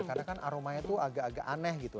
karena kan aromanya tuh agak agak aneh gitu